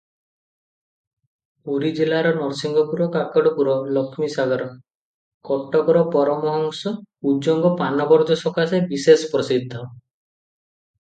ପୁରୀଜିଲାର ନରସିଂହପୁର, କାକଦରପୁର, ଲକ୍ଷ୍ମୀସାଗର; କଟକର ପରମହଂସ, କୁଜଙ୍ଗ ପାନବରଜ ସକାଶେ ବିଶେଷ ପ୍ରସିଦ୍ଧ ।